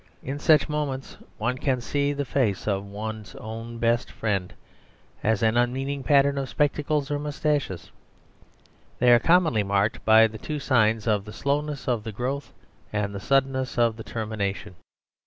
In such moments one can see the face of one's own best friend as an unmeaning pattern of spectacles or moustaches. They are commonly marked by the two signs of the slowness of their growth and the suddenness of their termination.